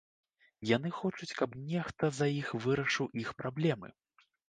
Яны хочуць, каб нехта за іх вырашыў іх праблемы.